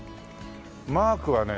マークはね